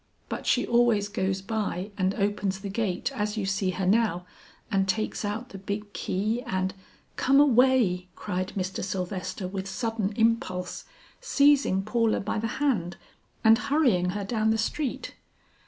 But she always goes by and opens the gate as you see her now and takes out the big key and " "Come away," cried Mr. Sylvester with sudden impulse, seizing Paula by the hand and hurrying her down the street.